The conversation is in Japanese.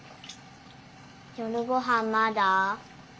夜ごはんまだ？